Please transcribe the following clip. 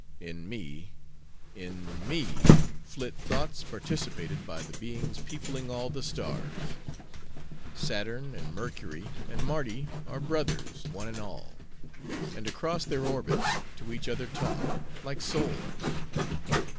In me, in me, flit thoughts participated by the beings peopling all the stars. Saturn, and Mercury, and Mardi, are brothers, one and all; and across their orbits, to each other talk, like souls.